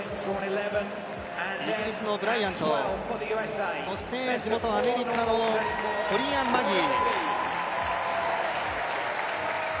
イギリスのブライアントそして地元・アメリカのコリー・アン・マギー。